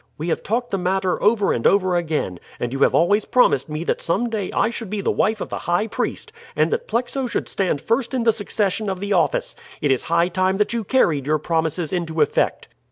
We have talked the matter over and over again, and you have always promised me that some day I should be the wife of the high priest, and that Plexo should stand first in the succession of the office. It is high time that you carried your promises into effect."